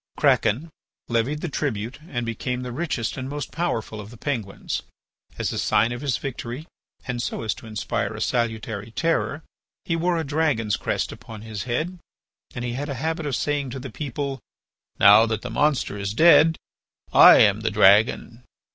Kraken levied the tribute and became the richest and most powerful of the Penguins. As a sign of his victory and so as to inspire a salutary terror, he wore a dragon's crest upon his head and he had a habit of saying to the people: "Now that the monster is dead I am the dragon."